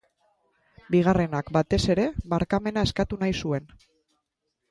Bigarrenak, batez ere, barkamena eskatu nahi zuen.